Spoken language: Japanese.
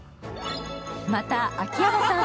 また秋山さん